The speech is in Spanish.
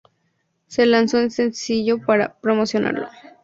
Se lanzó un sencillo para promocionarlo.